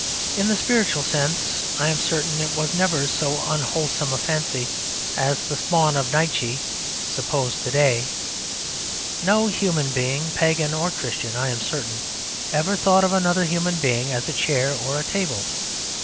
In the spiritual sense, I am certain it was never so unwholesome a fancy as the spawn of Nietzsche suppose to day. No human being, pagan or Christian, I am certain, ever thought of another human being as a chair or a table.